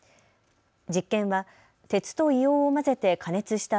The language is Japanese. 実験は鉄と硫黄を混ぜて加熱した